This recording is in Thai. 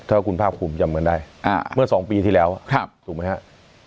ถ้าคุณภาคภูมิจำกันได้เมื่อ๒ปีที่แล้วถูกไหมครับ